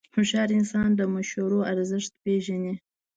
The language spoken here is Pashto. هوښیار انسان د مشورو ارزښت پېژني.